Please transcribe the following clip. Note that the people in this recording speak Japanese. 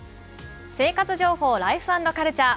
生活情報「ライフ＆カルチャー」。